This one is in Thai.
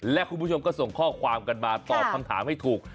และคุณผู้ชมก็ส่งข้อความกันมาตอบคำถามให้ถูก